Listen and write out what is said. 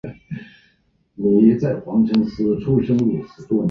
福井县坂井郡三国町出身。